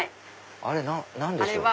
あれ何でしょう？